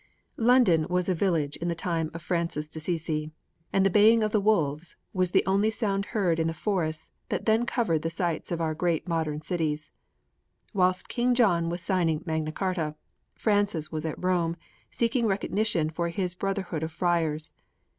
III London was a village in the time of Francis d'Assisi, and the baying of the wolves was the only sound heard in the forests that then covered the sites of our great modern cities. Whilst King John was signing Magna Carta, Francis was at Rome seeking recognition for his brotherhood of friars.